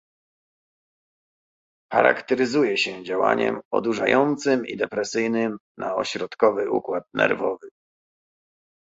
charakteryzuje się działaniem odurzającym i depresyjnym na ośrodkowy układ nerwowy